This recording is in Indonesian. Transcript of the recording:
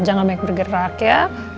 jangan banyak bergerak ya